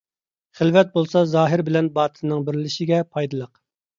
خىلۋەت بولسا زاھىر بىلەن باتىننىڭ بىرلىشىشىگە پايدىلىق.